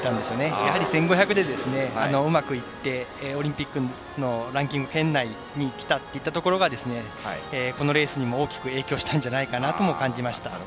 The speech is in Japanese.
やはり１５００でうまくいってオリンピックのランキング圏内にきたといったところがこのレースにも大きく影響したんじゃないかなと感じました。